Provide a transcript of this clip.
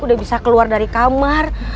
udah bisa keluar dari kamar